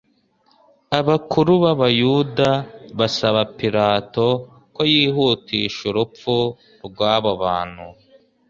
abakuru b'abayuda basaba Pilato ko yihutisha urupfu rw'abo bantu